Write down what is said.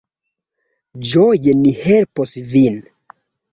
Ĝoje ni helpos vin.